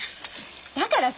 だからさ